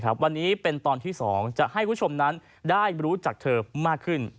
วันนี้เป็นตอนที่๒จะให้คุณผู้ชมนั้นได้รู้จักเธอมากขึ้น